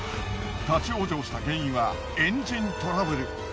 立ち往生した原因はエンジントラブル。